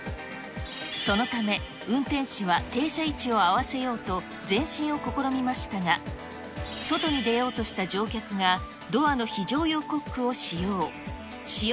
そのため運転士は停車位置を合わせようと、前進を試みましたが、外に出ようとした乗客がドアの非常用コックを使用。